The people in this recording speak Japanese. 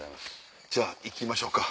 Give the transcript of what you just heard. じゃあ行きましょか。